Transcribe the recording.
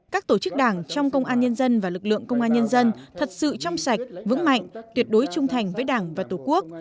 các tổ chức đảng trong công an nhân dân và lực lượng công an nhân dân thật sự trong sạch vững mạnh tuyệt đối trung thành với đảng và tổ quốc